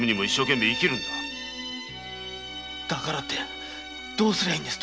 だからってどうすりゃいいんです？